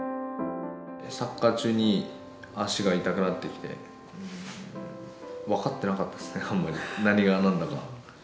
サッカー中に脚が痛くなってきて、分かってなかったですね、あんまり、何がなんだか。